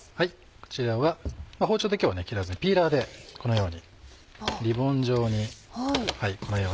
こちらは包丁で今日は切らずにピーラーでこのようにリボン状にこのように。